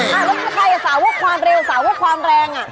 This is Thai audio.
แล้วใครสาวกความเร็วสาวกความแรง